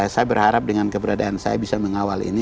saya berharap dengan keberadaan saya bisa mengawal ini